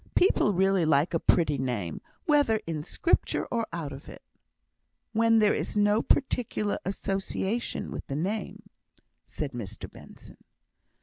People really like a pretty name, whether in Scripture or out of it." "When there is no particular association with the name," said Mr Benson.